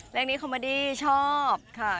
เรื่องเที่ยวทุกคนก็ผนครับ